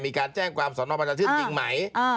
มีการแจ้งความสนประชาชื่นจริงไหม